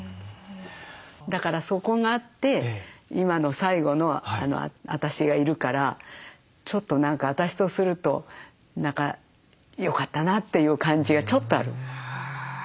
だからそこがあって今の最後の私がいるからちょっと何か私とすると何かよかったなという感じがちょっとある。